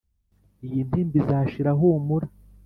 Iyi ntimba izashira humura